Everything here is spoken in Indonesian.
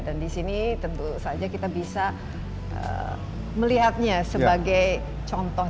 dan di sini tentu saja kita bisa melihatnya sebagai contoh